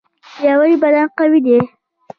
پیاوړی بدن قوي دی.